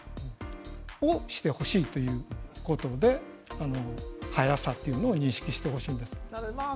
それをしてほしいということで速さというものを意識してほしいと思います。